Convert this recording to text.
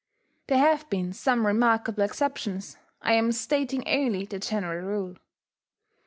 (There have been some remarkable exceptions: I am stating only the general rule.)